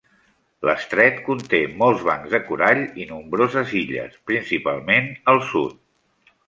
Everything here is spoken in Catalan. L'estret conté molts bancs de corall i nombroses illes, principalment al sud.